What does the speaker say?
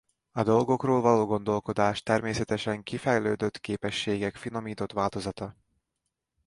A dolgokról való gondolkodás természetesen kifejlődött képességek finomított változata.